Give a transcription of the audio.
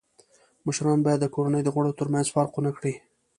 مشران باید د کورنۍ د غړو تر منځ فرق و نه کړي.